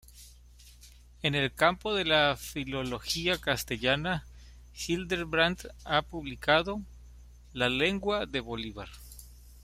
En el campo de la filología castellana, Hildebrandt ha publicado: "La lengua de Bolívar".